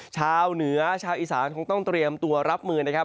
ชาวเหนือชาวอีสานคงต้องเตรียมตัวรับมือนะครับ